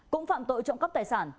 cũng phạm tội trộm cắp tài sản